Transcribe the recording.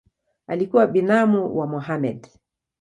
Alikuwa binamu wa Mohamed.